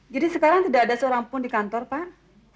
jadi sekarang tidak ada seorang pun di kantor pak